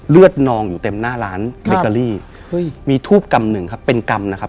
เลือดนองอยู่เต็มหน้าร้านมีทูปกรรมนึงเป็นกรรมนะครับ